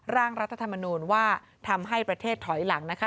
ร่างรัฐธรรมนูญว่าทำให้ประเทศถอยหลังนะคะ